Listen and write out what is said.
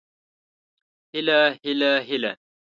هيله هيله هيله